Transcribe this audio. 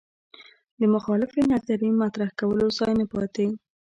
د مخالفې نظریې مطرح کولو ځای نه پاتې